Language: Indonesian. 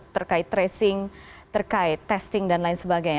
terkait tracing terkait testing dan lain sebagainya